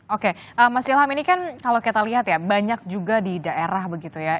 oke mas ilham ini kan kalau kita lihat ya banyak juga di daerah begitu ya